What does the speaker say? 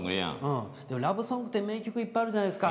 でもね、ラブソングって名曲いっぱいあるじゃないですか。